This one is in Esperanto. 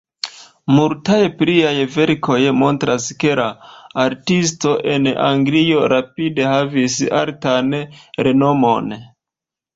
Multaj pliaj verkoj montras, ke la artisto en Anglio rapide havis altan renomon.